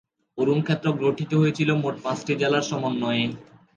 অরুণ ক্ষেত্র গঠিত হয়েছিল মোট পাঁচটি জেলার সমন্বয়ে।